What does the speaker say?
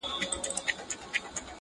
بلها موده اوشوه چې ذکر د جانان نۀ کوؤوم